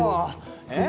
えっ？